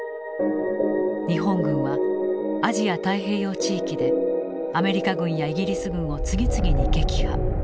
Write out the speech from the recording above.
日本軍はアジア・太平洋地域でアメリカ軍やイギリス軍を次々に撃破。